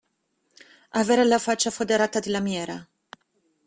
Avere la faccia foderata di lamiera.